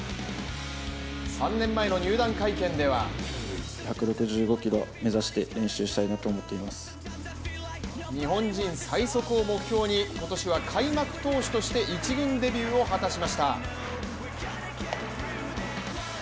３年前の入団会見では日本人最速を目標に、今年は開幕投手として１軍デビューを果たしました。